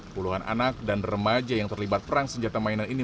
puluhan anak dan remaja yang terlibat perang senjata mainan ini